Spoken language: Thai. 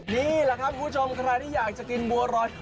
นี่แหละครับคุณผู้ชมใครที่อยากจะกินบัวรอย